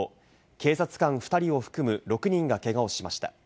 警察官２人を含む６人がけがをしました。